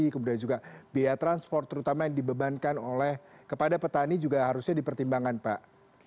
kemudian juga biaya transport terutama yang dibebankan oleh kepada petani juga harusnya dipertimbangkan pak